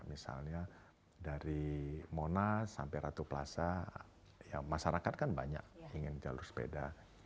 misalnya dari monas sampai ratu plaza ya masyarakat kan banyak ingin jalur sepeda